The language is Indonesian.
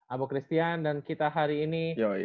abokristian dan kita hari ini